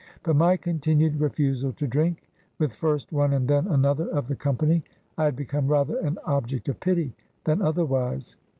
By my continued refusal to drink, with first one and then another of the company, I had become rather an object of pity than otherwise.